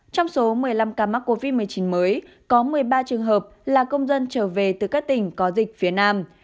trong số một mươi năm ca mắc covid một mươi chín mới có một mươi ba trường hợp là công dân trở về từ các tỉnh có dịch phía nam